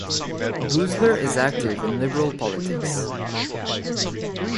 Boosler is active in liberal politics.